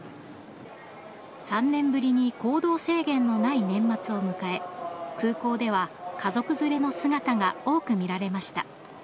３年ぶりに行動制限のない年末を迎え空港では家族連れの姿が多く見られました。